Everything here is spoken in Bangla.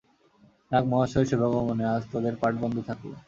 নাগ-মহাশয়ের শুভাগমনে আজ তোদের পাঠ বন্ধ থাকল।